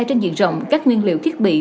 trên diện rộng các nguyên liệu thiết bị